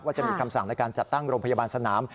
จะมีคำสั่งในการจัดตั้งโรงพยาบาลสนาม